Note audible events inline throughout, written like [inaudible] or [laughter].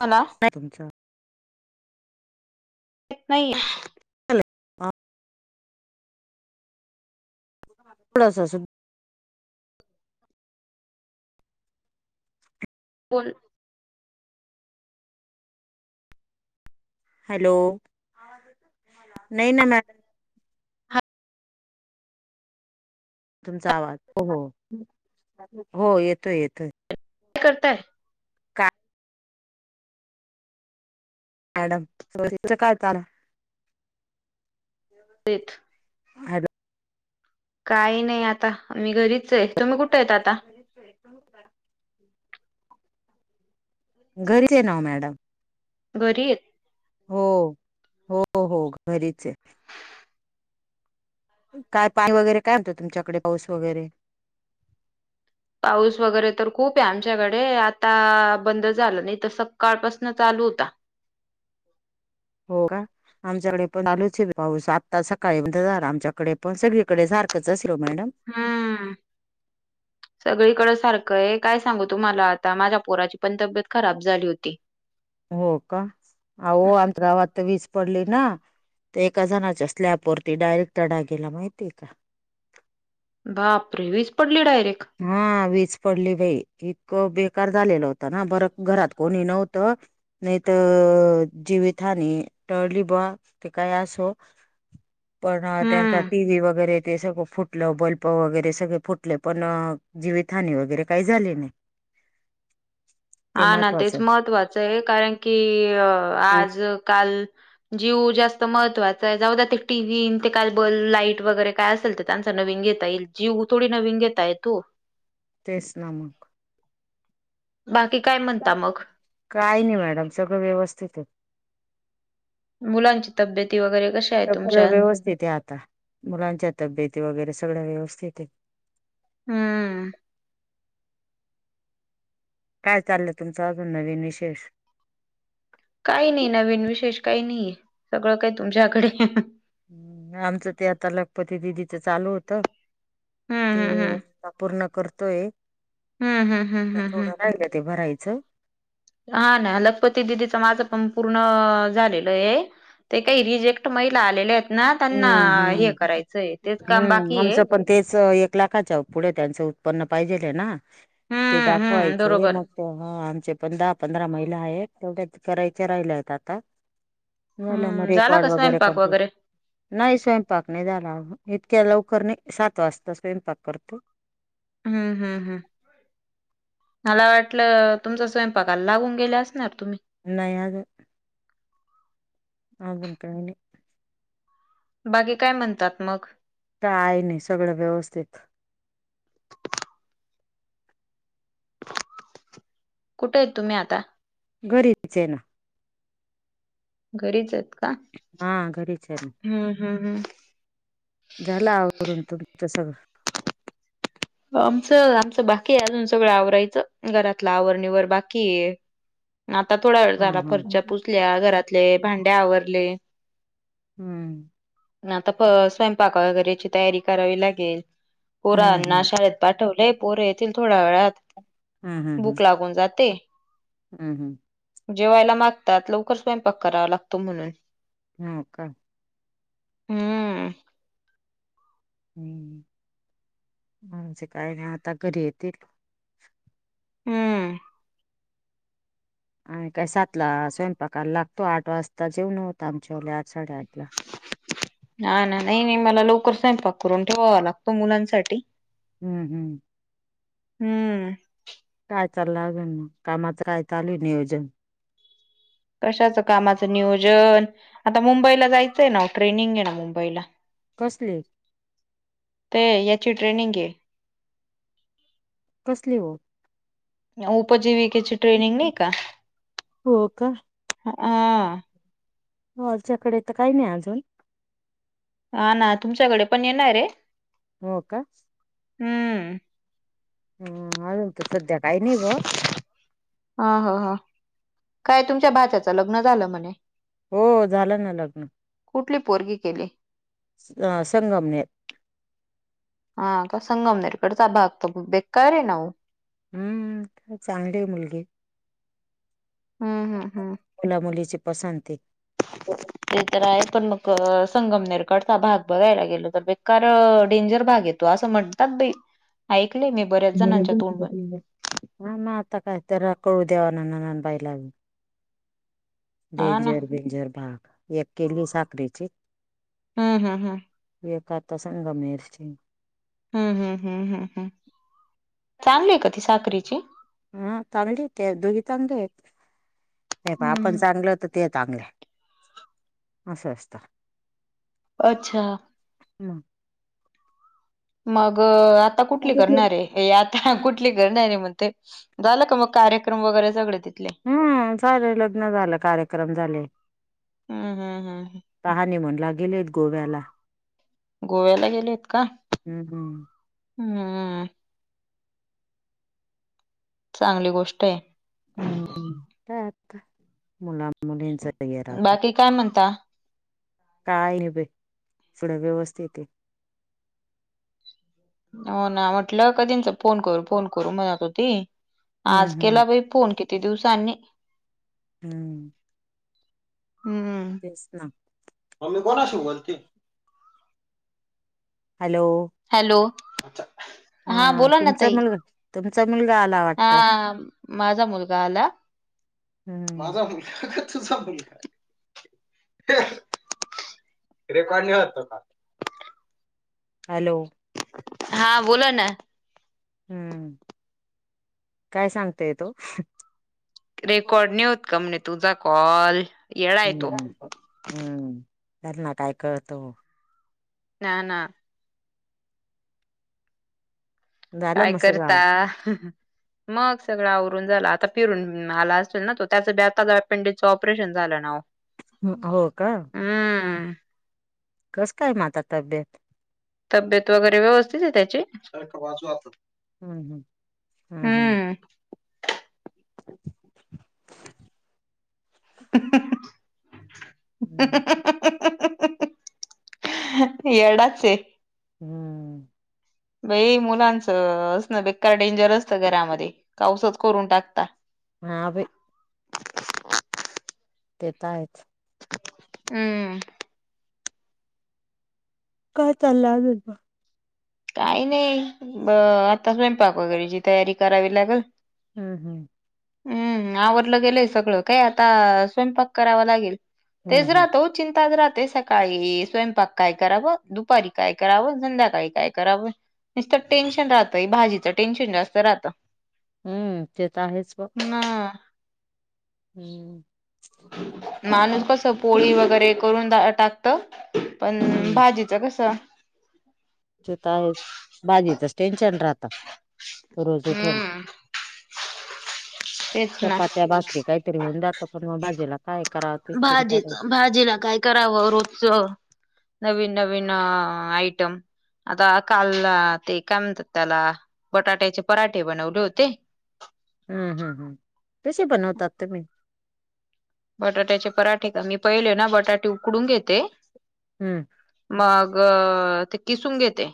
मला का तुमचं नाही चाले हां थोडासा सुद्ध बोल हॅलो नाही ना मॅ तुमचा आवाज हो हो हो येतोय येतोय करताय काय मॅड काड काही नाही आता मी घरीच आहे तुम्ही कुठे आहेत आता घरीच ना मॅडम गरीब हो हो हो घरीच आहे काय पाणी वगैरे काय होतं तुमच्याकडे पाऊस वगैरे पाऊस वगैरे तर खूप आहे आमच्याकडे आता बंद झालं नाही तर सकाळपासन चालू होता हो का आमच्याकडे पण आलोच पाऊस आत्ता सकाळी झाला आमच्याकडे पण सगळीकडे सारखंच असेल मॅडम हा [inaudible] सगळीकड सारखं आहे काय सांगू तू मला आता माझ्या पोराची पण तब्येत खराब झाली होती हो का अंतराव आता वीज पडली ना ते एका जणाच्या स्लॅब वरती डायरेक्ट टडा गेला माहितीय का बापरेवीच पडली डायरेक्ट हा वीज पडली बाई इतकं बेकार झालेला होत ना बरं घरात कोणी नव्हतं नाही तर जीवितहानी टळली बा ते काय असो पण त्यांचा हम्म टी व्ही वगैरे ते सगळं फुटलं बल्ब वगैरे सगळे फुटले पण जीवितहानी वगैरे काही झाली नाही. ते हा ना तेच महत्त्वाचं महत्त्वाचं आहे कारण की आज काल जीव जास्त महत्त्वाचा आहे जाऊ ते टीव्ही ते काबल लाईट वगैरे काय असेल तर. त्यांचा नवीन घेता येईल जीव थोडी नवीन घेता येतो. तेच ना मग. बाकी काय म्हणता मग? काही नाही मॅडम सगळं व्यवस्थित आहेत. मुलांच तब्येतती वगैरे कशी? पू व्यवस्थित आहे आता मुलांच्या तब्येेत वगैरे सगळ व्यवस्थित आहे. हम्म. काय चाललंय तुमचं अजून नवीन विशेष? काही नाही नवीन विशेष काही नाही आहे सगळं काही तुमच्याकडे. हम् आमचं ते आता लखपती दिदीचं चालू होत. ते हम्म हम्म हम्म पूर्ण करतोय हम्म हम्म हम्म त्या हम्म थोड हम्म राहिलय ते भरायचं. हा ना लखपती दिदीच माझं पण पूर्ण झालेलं आहे. ते काही रिजेक्ट महिला आलेल्या आहेत ना त्यांना हम्म हे हम्म करायचंय तेच काम हम्म बाकी आहे. आमचं पण तेच एक लाखाच्या पुढे त्यांचं उत्पन्न पाहिजेल आहे ना ते हम्म हम्म दाखवायचंय बरोबर मग. ह आमचे पण दहा-पंधरा महिला आहेत तेवढ्याच करायच्या राहिल्या आहेत आता. झाले मग हम्म रेट झाला का वाढवय बर स्वयंपाक पडतय. वगैरे नाही स्वयंपाक नाही झाला इतक्या लवकर नाही सात वाजता स्वयंपाक करतो. हम् हम हम. मला वाटलं तुमचा स्वयंपाकाला लागून गेले असणार तुम्ही. नाही अज सांगून ठेवावे. बाकी काय म्हणतात मग? काय नाही सगळं व्यवस्थित. कुठे आहेत तुम्ही आता? घरीच आहे ना. घरीच आहेत का? हा घरीच ना. हम् हम् हम्. झाला आवरून तुमच सगळं? आमचं, आमचं बाकी आहे अजून सगळं आवरायचं घरातलं आवरणीिवर बाकी आहे. [inaudible] आता थोडा वेळ झाला हम्म फर्च्या पुचल्या घरातले भांड्या आवरले. हम्म. मग आता प स्वयंपाक वगैरेची तयारी करावी लागेल पोरांना हम्म अश पाठवले हम्म पोर येतील थोड्या वेळात भुक लागून जाते. हम् हम्. जेवायला मागतात लवकर स्वयंपाक करावा लागतो म्हणून. हम का. हम्म हम्म, म्हणजे काय नाही आता घरी येतील. हम्म. आणि काय सात ला स्वयंपाकायला लागतो आठ वाजता जेऊन होत आमच्या ले आठ साडेआठ ला. ह ना नाही, नाही मला लवकर स्वयंपाक करून ठेवावा लागतो मुलांसाठी. हम्म हम्म हम्म काय चालल आजुन. कामाच काय चालूय नियोजन. कशाच कामाच नियोजन, आता मुंबईला जायचय ना हो ट्रेनिंग आहे ना मुंबईला. कसले ते याची ट्रेनिंग आहे. कसली हो. उपजीवीकेची ट्रेनिंग नाही का? हो का ह हो आलच्याकडे तर काही नाही अजून. हा ना तुमच्याकडे पण येणार आहे. हो का? हम्म हम्म अजून त सध्या काही नाही बवा. हा हा हा काय तुमच्या भााच्याच लग्न झाल म्हणे. हो झाल ना लग्न. कुठली पोरगी केली. अ संगमनेर. हा का, संगमनेर कडचा भाग तो बेकार आहे ना हो. हम्म चांगली आहे मुलगी. हम्म हम्म हम्म मुला मुलीची पसंती ते तर आहे पण, मग संगमनेरकडचा भाग बघायला गेलो तर बेकार डेंजर भाग आहे. तू अस म्हणतात बाई ऐकले मी बऱ्याच जणांच्या तोंडून. हा म आता जरा कळू देवा ना ननंदबाईलाबी हा ना डेंजर आहे. डेंजर भाग एक केली साकरीची. हम्म हम्म हम्म एक आता संगमनेरची हम्म हम्म हम्म हम्म हम्म चांगली आहे का ती साकरीची. हा सांगली आहे. त्या दोघी चांगले आहेत. हे पहा आपण हम्म चांगल तर ते चांगल्या अस असत. अच्छा हम्म मग आता कुठली करणार आहे. हे आता कुठली करणार आहे म्हणतय झालं का मग कार्यक्रम वगैरे सगळे ती हम्म झाले. लग्न झालं कार्यक्रम झाले. हम्म हम्म हम्म आता हनीमूनला गेलेत गोव्याला. गोव्याला गेलेत का? हम्म हम्म चांगली गोष्ट आहे. हम्म काय आता मुला मुलींच ते हे राहत. बाकी काय म्हणता? काय नाही बई थोड व्यवस्थित आहे. हो ना म्हटल कधींच फोन करू फोन करू म्हणत होती. आज हम्म हम्म. केला बाई फोन किती दिवसांनी. हम्म हम्म तेच ना मम्मी कोणाशी बोलतीये. हॅलो हॅलो हा बोला ना तुमचा ताई मुलगा तुमचा मुलगा आला हा वाटत माझा मुलगा आला हम्म. माझा [inaudible] रेकॉर्ड लिहत का हॅलो हा बोला ना हम्म काय सांगतोय तो रेकॉर्ड नाही होत का म्हणे तुझा कॉल येडा आहे हम्म तो. हम्म त्याना काय कळत हो ना ना झालं काय मग सगळं करता मग सगळं आवरून झाला आता फिरून आला असेल ना तो त्याचं ब आता अपेंडिकचं ऑपरेशन झालं ना वो हम् हो का हम्म. कस काय माता तब्येत. तब्येत वगैरे व्यवस्थित आहे त्याची बाज. हम्म हम्म हम्म हम्म. [unintelligible] हम्म. हमममममममम येडाचय हम्म बई मुलांचं अस ना बेकार डेंजर असतं घरामध्ये काऊसच करून टाकता हा बाई तेेत आहेच. हम्म. काय चालला आज. काही नाही ब आता स्वयंपाक वगैरेची तयारी करावी लागेल. हम्म हम्म. हम्म आवरलं गेलंय सगळं काय आता स्वयंपाक करावा लागेल हम्म तेच हम्म. राहत हो. चिंता राहते सकाळी स्वयंपाक काय करावं दुपारी काय करावं संध्याकाळी काय. करा नसत टेन्न राहतं भाजीचं टेन्शन जास्त राहतं. हम्म ते तर आहेच बघ. [unintelligible] हम्म. माणूस कस पोळी वगैरे करून टाकत पण हम्म भाजी. जग कसं. आहे बाजीतच टेन्शन राहत. रोज उठून हम्म तेच ना चपात्याास. काहीतरी होऊ जात पण मग बाजे लाग. भाजीच भाजीला काय करावं रोजच. नवीन नवीन आयटम. आता काल ते काय म्हणतात त्याला बटाट्याचे पराठे बनवले होते. हम्म हम् हम कशी बनवतात तुम्ही. बटाट्याचे पराठे का मी पहिले ना बटाटे उकडून घेते. हम्म. मग ते किसून घेते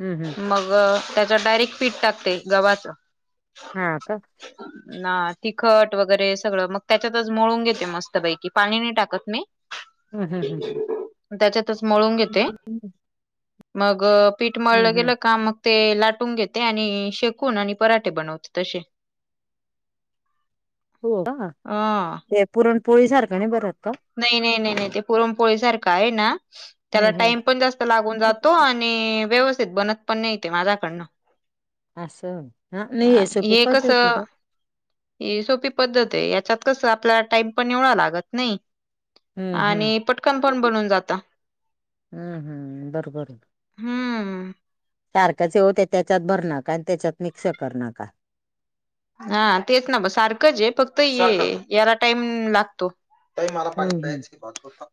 हम्म हम्म मग. त्याचा डायरेक्ट पीठ टाकते गव्हाचं. हा का. ना तिखट वगैरे सगळं मग त्या त्याच्यातळून घेते मस्त पैकी पाणी नाही टाकत मी. हम्म हम्म हम्म त्याच्यातच मळून घेते मग पीठ हम्म मळलं हम्म. गेलं हम्म. का मग. ते लाटून घेते आणि शेकून आणि पराठे बनवते तसे. हो का. हम्म. ते पुरणपोळी सारखं नाही बरत का. नाही नाही नाही नाही ते पुरमपोळी सारखं आहे ना त्याला हम्म हम्म. टाइम पण जास्त लागून जातो आणि. आणि व्यवस्थित बनत पण नाहीेते माझ्याकडनं. असं हा नाही आहे सोपी हे कसं पद्धतीचं. ही सोपी पद्धत आहे याच्यात कस आपल्याला टाइम पण एवढा लागत नाही. हम्म हम्म. आणि पटकन पण बनून जात. हम्म हम्म हम्म. सारखाचे होते त्याच्यात भर नका आणि त्याच्यात मिक्स कर नका. हा तेच ना ब सारखंच आहे फक्त ये याला टाईम लागतो. बाई मला हम्म पाणी हम्म प्यायची थोडं थांब.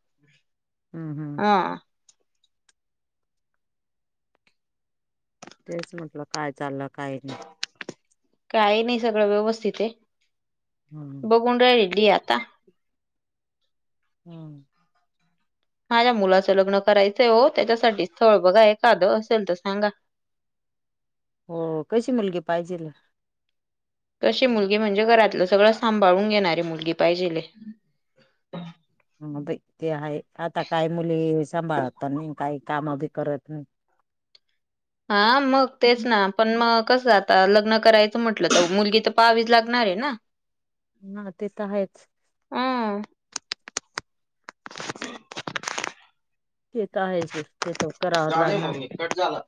हम्म हम.. ह. तेच म्हटलं काय चाललं काही नाही? काही नाही सगळं व्यवस्थित आहे बघून राहिल ि हम्म आता. हम्म. माझ्या मुलाचं लग्न करायचंय हो त्याच्यासाठी स्थळ बघा ए कादं असेल तर सांगा. हो कशी मुलगी पाहिजे. तशी मुलगी म्हणजे घरातलं सगळं सांभाळून घेणारे मुलगी पाहिजेले. ह ते आहे आता काय मुली सांभाळत नाही काही काम बी करत नाही. हा मग तेच ना. पण मग कसं आता लग्न करायचं म्हटलं तर मुलगी तर पाहावीच लागणार आहे ना. ह ते तर आहेच. हं. ते त आहेच आहे ते तर करा. जाले मग मी कट झाला.